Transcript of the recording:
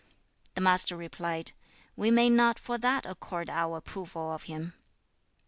The Master replied, 'We may not for that accord our approval of him.'